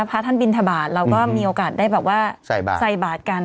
พระท่านบินทบาทเราก็มีโอกาสได้แบบว่าใส่บาทกัน